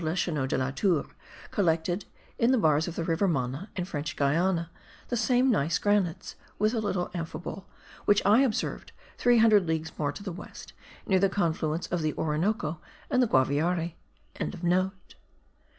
Leschenault de la Tour collected in the bars of the river Mana, in French Guiana, the same gneiss granites (with a little amphibole) which I observed three hundred leagues more to the west, near the confluence of the Orinoco and the Guaviare.)